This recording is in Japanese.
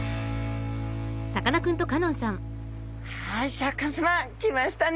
シャーク香音さま来ましたね